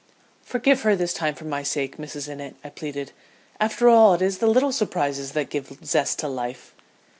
"'Forgive her this time for my sake, Mrs. Innitt,' I pleaded. 'After all it is the little surprises that give zest to life.'"